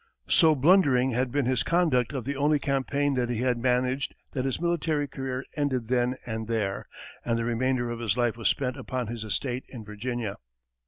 So blundering had been his conduct of the only campaign that he had managed that his military career ended then and there, and the remainder of his life was spent upon his estate in Virginia.